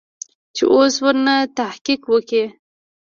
چې اوس ورنه تحقيق وکې.